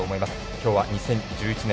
今日は２０１１年